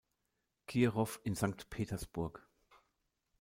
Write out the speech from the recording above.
Kirow in Sankt Petersburg.